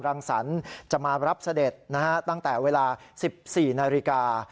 รังสรรค์จะมารับเสด็จนะฮะตั้งแต่เวลา๑๔นาฬิกา